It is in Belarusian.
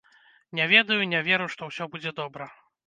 Не ведаю, не веру, што ўсё будзе добра!